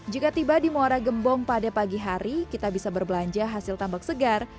jika tiba di muara gembong pada pagi hari kita bisa berbelanja hasil tambak segar